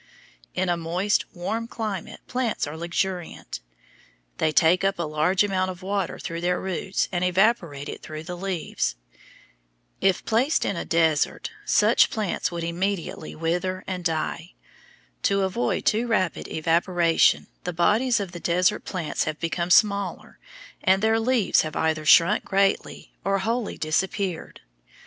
In a moist, warm climate plants are luxuriant; they take up a large amount of water through their roots and evaporate it through the leaves. If placed in a desert, such plants would immediately wither and die. To avoid too rapid evaporation the bodies of the desert plants have become smaller, and their leaves have either shrunk greatly or wholly disappeared.